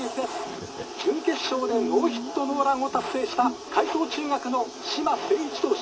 準決勝でノーヒットノーランを達成した海草中学の嶋清一投手。